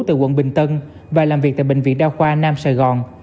từ quận bình tân và làm việc tại bệnh viện đao khoa nam sài gòn